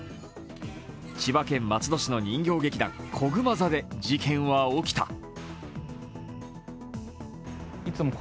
千葉県松戸市の人形劇団こぐま座で事件は起きた。